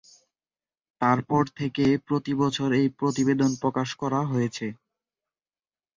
তারপর থেকে প্রতিবছর এই প্রতিবেদন প্রকাশ করা হচ্ছে।